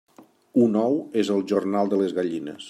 Un ou és el jornal de les gallines.